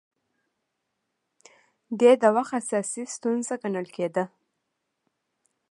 دې د وخت اساسي ستونزه ګڼل کېده